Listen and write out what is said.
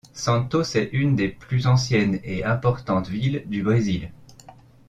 Santos est une des plus anciennes et importantes villes du Brésil.